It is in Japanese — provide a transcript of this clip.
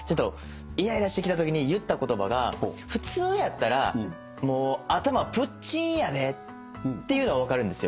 イライラしてきたときに言った言葉が普通やったら「もう頭プッチーンやで」っていうのは分かるんですよ。